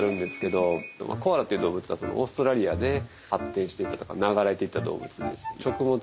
コアラっていう動物はオーストラリアで発展していったというか流れていった動物です。